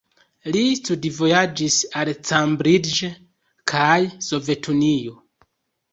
Li studvojaĝis al Cambridge kaj Sovetunio.